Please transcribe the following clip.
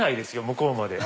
向こうまで。